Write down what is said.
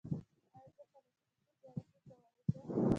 ایا زه پلاستیکي جراحي کولی شم؟